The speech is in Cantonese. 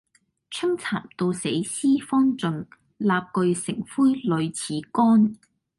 春蠶到死絲方盡，蠟炬成灰淚始干。